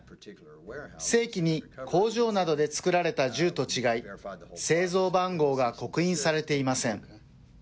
正規に工場などで作られた銃と違い、製造番号が刻印されていません。